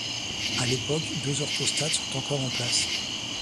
A l'époque, deux orthostates sont encore en place.